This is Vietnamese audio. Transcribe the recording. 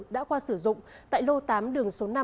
đã qua sử dụng tại lô tám đường số năm